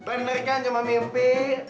bener kan cuma mimpi